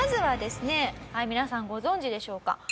はい皆さんご存じでしょうか？